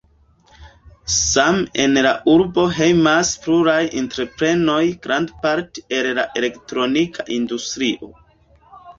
Same en la urbo hejmas pluraj entreprenoj, grandparte el la elektronika industrio.